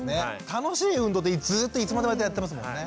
楽しい運動ってずっといつまでもやってますもんね。